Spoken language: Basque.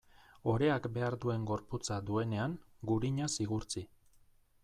Oreak behar duen gorputza duenean, gurinaz igurtzi.